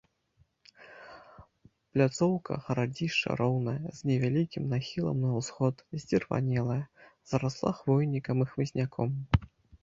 Пляцоўка гарадзішча роўная, з невялікім нахілам на ўсход, здзірванелая, зарасла хвойнікам і хмызняком.